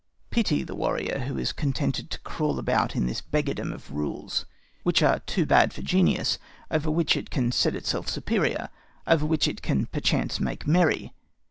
Pity the warrior who is contented to crawl about in this beggardom of rules, which are too bad for genius, over which it can set itself superior, over which it can perchance make merry!